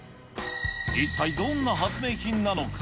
一体どんな発明品なのか。